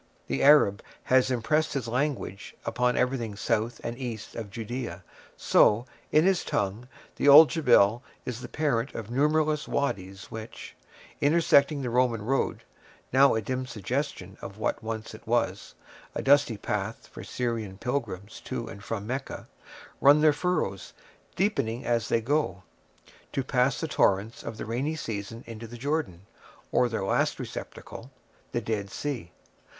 The Arab has impressed his language upon everything south and east of Judea, so, in his tongue, the old Jebel is the parent of numberless wadies which, intersecting the Roman road—now a dim suggestion of what once it was, a dusty path for Syrian pilgrims to and from Mecca—run their furrows, deepening as they go, to pass the torrents of the rainy season into the Jordan, or their last receptacle, the Dead Sea.